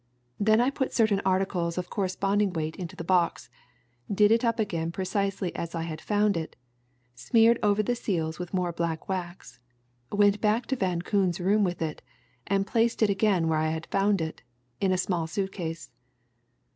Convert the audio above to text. Then I put certain articles of corresponding weight into the box, did it up again precisely as I had found it, smeared over the seals with more black wax, went back to Van Koon's room with it, and placed it again where I had found it in a small suit case.